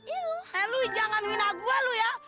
eh lu jangan hina gua lu ya